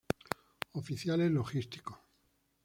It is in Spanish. Oficiales logísticos.